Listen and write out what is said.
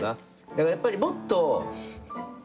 だからやっぱりもっと笑顔。